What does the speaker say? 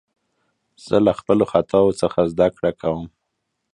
زه له خپلو خطاوو څخه زدکړه کوم.